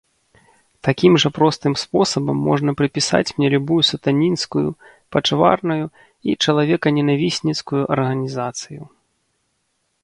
Такім жа простым спосабам можна прыпісаць мне любую сатанінскую, пачварную і чалавеканенавісніцкую арганізацыю.